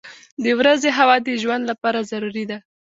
• د ورځې هوا د ژوند لپاره ضروري ده.